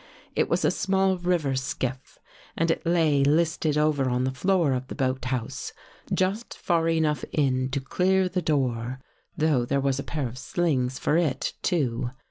It was a small river skiff and it lay listed over on the floor of the boathouse, just far enough in to clear the door, though there was a pair of slings for it, too.